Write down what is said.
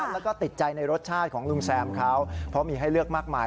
แล้วก็ติดใจในรสชาติของลุงแซมเขาเพราะมีให้เลือกมากมาย